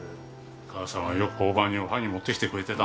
母さんはよく交番におはぎ持ってきてくれてたんだ。